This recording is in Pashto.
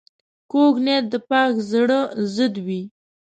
کوږ نیت د پاک زړه ضد وي